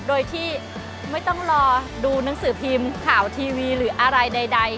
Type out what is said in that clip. โดยที่ไม่ต้องรอดูหนังสือพิมพ์ข่าวทีวีหรืออะไรใด